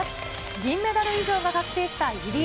銀メダル以上が確定した入江。